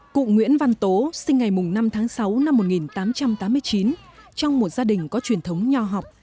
cụ nguyễn văn tố sinh ngày năm tháng sáu năm một nghìn tám trăm tám mươi chín trong một gia đình có truyền thống nho học